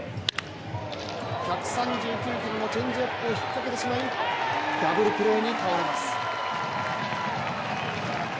１３９キロのチェンジアップを引っかけてしまい、ダブルプレーに倒れます。